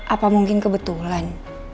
apa mungkin kebetulan